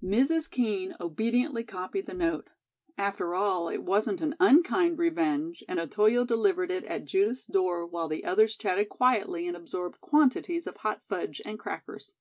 Mrs. Kean obediently copied the note. After all, it wasn't an unkind revenge, and Otoyo delivered it at Judith's door while the others chatted quietly and absorbed quantities of hot fudge and crackers.